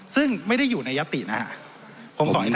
ซึ่งไม่ได้อยู่ในยตินะครับ